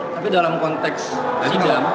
tapi dalam konteks sidang